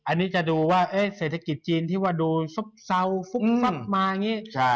อันนี้จะดูว่าเศรษฐกิจจีนที่ว่าดูซับซับมา